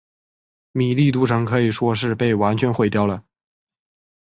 米利都城可以说是被完全毁掉了。